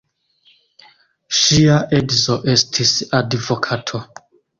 Ŝia edzo estis advokato.